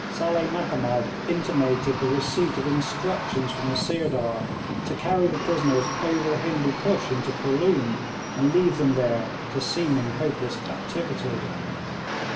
Saleh Mahomed intimated the receipt of instructions from the Sirdar to carry the prisoners over the Hindoo Koosh into Khooloom, and leave them there to seeming hopeless captivity.